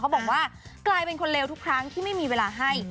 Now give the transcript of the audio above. บอกว่ากลายเป็นคนเลวทุกครั้งที่ไม่มีเวลาให้